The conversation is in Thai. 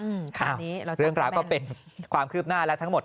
เรื่องราวก็เป็นความคืบหน้าแล้วทั้งหมด